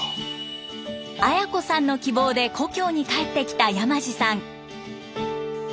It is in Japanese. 綾子さんの希望で故郷に帰ってきた山地さん。